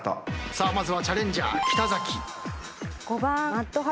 さあまずはチャレンジャー北崎。